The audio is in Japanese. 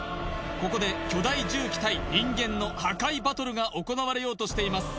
ここで巨大重機対人間の破壊バトルが行われようとしています